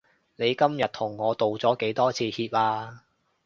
你今日同我道咗幾多次歉啊？